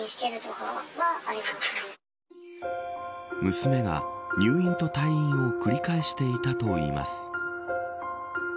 娘が入院と退院を繰り返していたといいます。